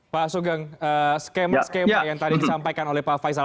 pak sugeng skema skema yang tadi disampaikan oleh pak faisal